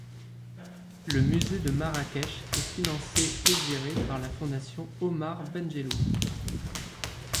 Le musée de Marrakech est financé et géré par la fondation Omar-Benjelloun.